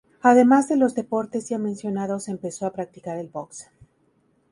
Además de los deportes ya mencionados se empezó a practicar el box.